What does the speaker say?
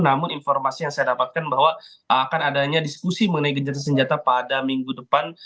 namun informasi yang saya dapatkan bahwa akan adanya diskusi mengenai gencatan senjata pada minggu depan